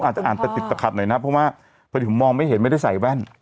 อาจจะอ่านตะติดตะขัดหน่อยนะเพราะว่าพอดีผมมองไม่เห็นไม่ได้ใส่แว่น